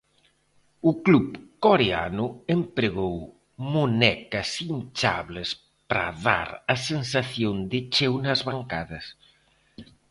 O club coreano empregou monecas inchables para dar a sensación de cheo nas bancadas.